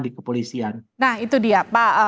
di kepolisian nah itu dia pak